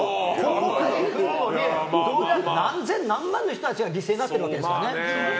何千、何万の人たちが犠牲になってるわけですから。